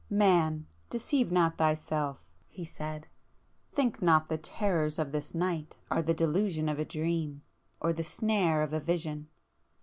"Man, deceive not thyself!" he said—"Think not the terrors of this night are the delusion of a dream or the snare of a vision!